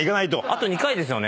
あと２回ですよね？